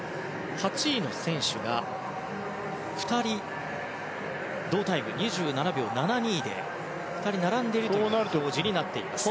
８位の選手が２人同タイム２７秒７２で２人並んでいる表示になっています。